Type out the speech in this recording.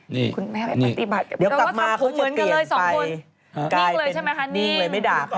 นี่นี่เดี๋ยวกลับมาก็จะเปลี่ยนไปกายเป็นคุณแน่ม้าไปปฏิบัติกันเลยสองคน